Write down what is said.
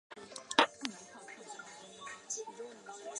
列辛顿是一个位于美国密西西比州霍尔姆斯县的城市。